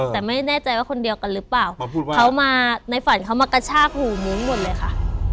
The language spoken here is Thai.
แต่ไม่แน่ใจว่าคนเดียวกันหรือเปล่าเขามาในฝันเขามากระชากหูมุ้งหมดเลยค่ะ